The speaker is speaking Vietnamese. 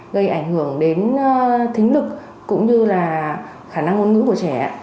gây ảnh hưởng đến thính lực cũng như là khả năng ngôn ngữ của trẻ